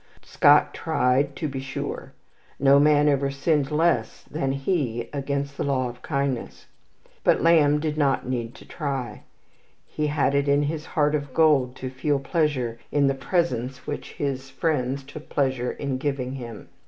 Scott tried, to be sure. No man ever sinned less than he against the law of kindness. But Lamb did not need to try. He had it in his heart of gold to feel pleasure in the presents which his friends took pleasure in giving him.